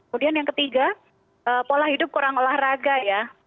kemudian yang ketiga pola hidup kurang olahraga ya